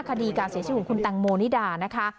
คดีการเสียชีวิตของคุณแตงโมนิดานะคะ